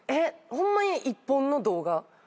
ホンマに一本の動画。